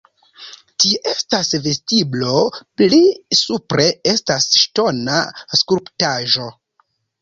Tie estas vestiblo, pli supre estas ŝtona skulptaĵo.